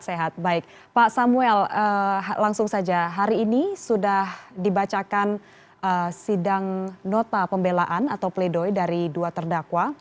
sehat baik pak samuel langsung saja hari ini sudah dibacakan sidang nota pembelaan atau pledoi dari dua terdakwa